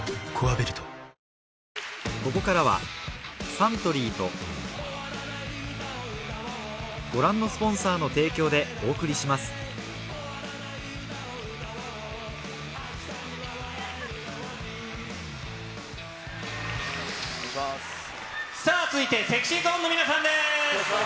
サントリーさあ、続いてＳｅｘｙＺｏｎｅの皆さんです。